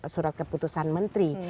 surat keputusan menteri